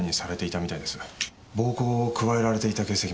暴行を加えられていた形跡も。